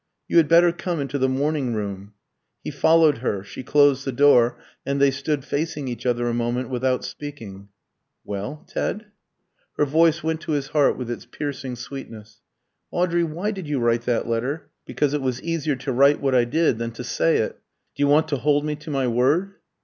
"You had better come into the morning room." He followed her; she closed the door, and they stood facing each other a moment without speaking. "Well, Ted?" Her voice went to his heart with its piercing sweetness. "Audrey, why did you write that letter?" "Because it was easier to write what I did than to say it. Do you want to hold me to my word?"